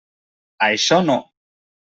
Això no.